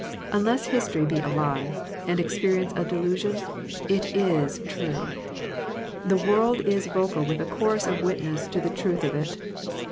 Unless history be a lie, and experience a delusion, it is true. The world is vocal with a chorus of witness to the truth of it.